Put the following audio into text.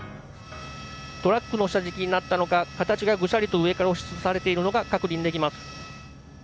トラックの下敷きになったのか形が、ぐしゃりと上から押し潰されているのが確認できます。